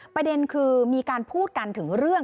ประเด็นคือมีการพูดกันถึงเรื่อง